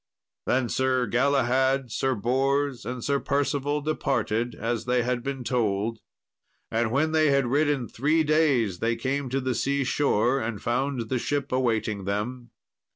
Then Sir Galahad, Sir Bors, and Sir Percival departed as they had been told; and when they had ridden three days they came to the sea shore, and found the ship awaiting them.